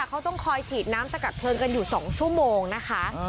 เขาต้องคอยฉีดน้ำสกัดเพลิงกันอยู่๒ชั่วโมงนะคะ